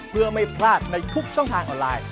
เพื่อไม่พลาดในทุกช่องทางออนไลน์